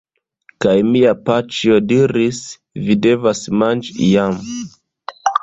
Kaj mia paĉjo diris: "Vi devas manĝi iam!"